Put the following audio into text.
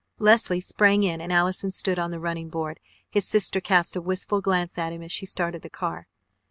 Leslie sprang in and Allison stood on the running board. His sister cast a wistful glance at him as she started the car.